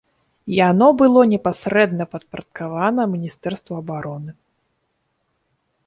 Яно было непасрэдна падпарадкавана міністэрству абароны.